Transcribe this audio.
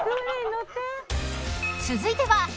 ［続いては］